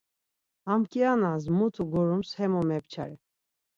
Ham Kianas mutu gorums hemu mepçare.